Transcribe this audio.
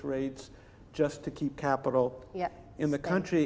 hanya untuk menjaga kapital di negara